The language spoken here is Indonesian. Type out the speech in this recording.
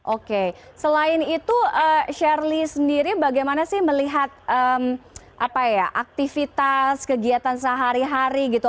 oke selain itu sherly sendiri bagaimana sih melihat aktivitas kegiatan sehari hari gitu